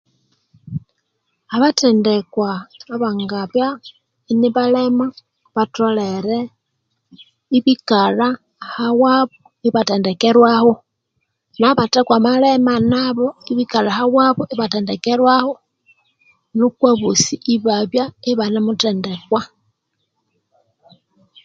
Abathendekwa abangabya inibalema batholere ibikalha ahawabo ibathendekerwaho nabathe kwa malema nabo ibikalha ahawabo ibathendekerwaho nuko abosi obabya ibanimuthendekwa.